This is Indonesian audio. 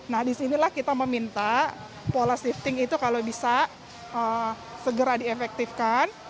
nah disinilah kita meminta pola shifting itu kalau bisa segera diefektifkan